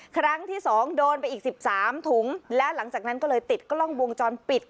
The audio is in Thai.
ครั้งที่สองโดนไปอีกสิบสามถุงแล้วหลังจากนั้นก็เลยติดกล้องวงจรปิด